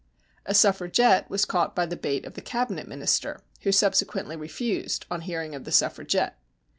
A Suffragette was caught by the bait of the Cabinet Minister, who subsequently refused on hearing of the Suffragette.